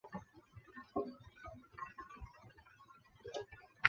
皮哥特是一个位于美国阿肯色州克莱县的城市。